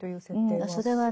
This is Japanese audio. それはね